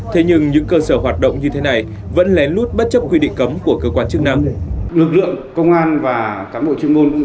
thế nhưng những cơ sở hoạt động như thế này vẫn lén lút bất chấp quy định cấm của cơ quan chức năng